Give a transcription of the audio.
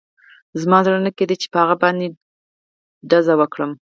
زما زړه نه کېده چې په هغه باندې ډز وکړم